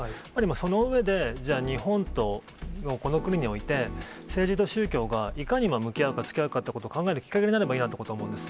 その上で、じゃあ、日本とこの国において、政治と宗教がいかに向き合うか、つきあうかということを考えるきっかけになればいいなと思うんです。